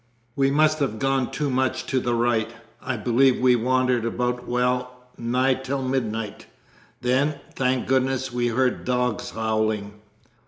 We must have gone too much to the right. I believe we wandered about well nigh till midnight. Then, thank goodness, we heard dogs howling.'